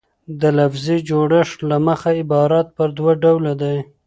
د لفظي جوړښت له مخه عبارت پر دوه ډوله ډﺉ.